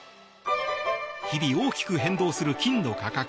日々、大きく変動する金の価格。